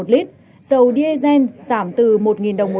một lít dầu diesel giảm từ một đồng